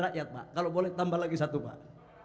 rakyat pak kalau boleh tambah lagi satu pak